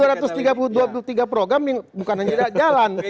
ada dua puluh tiga program yang bukan hanya jalan